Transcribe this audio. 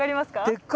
でっかい！